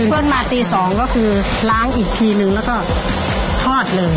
เพื่อนมาตี๒ก็คือล้างอีกทีนึงแล้วก็ทอดเลย